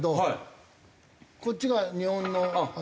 こっちが日本の。